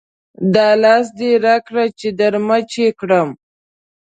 دا لاس دې راکړه چې در مچو یې کړم.